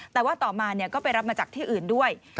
แต่ว่าต่อมาก็ไปรับมาจากที่อื่นด้วย